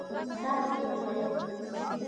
ساعت څه ښيي؟